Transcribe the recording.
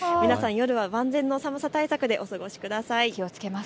皆さん夜は万全の寒さ対策でお過ごしください。